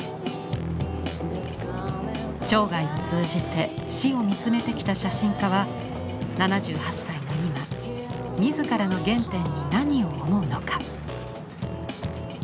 生涯を通じて死を見つめてきた写真家は７８歳の今自らの原点に何を思うのか。